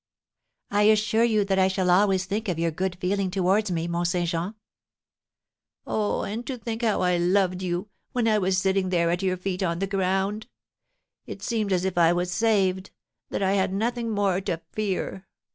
"I assure you that I shall always think of your good feeling towards me, Mont Saint Jean." "Oh, and to think how I loved you, when I was sitting there at your feet on the ground! It seemed as if I was saved, that I had nothing more to fear!